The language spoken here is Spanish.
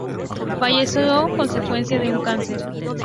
Falleció consecuencia de un cáncer.